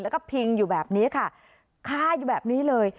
แล้วก็พิงอยู่แบบนี้ค่ะคาอยู่แบบนี้เลย